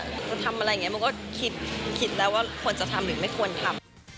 จะทำอะไรเนี้ยมุมก็คิดคิดแล้วว่าควรจะทำหรือไม่ควรทำ